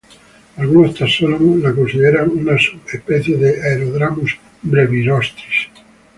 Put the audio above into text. Algunos taxónomos la consideran una subespecie de "Aerodramus brevirostris".